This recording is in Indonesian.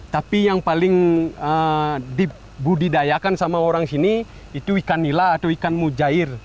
tapi yang paling dibudidayakan sama orang sini itu ikan nila atau ikan mujair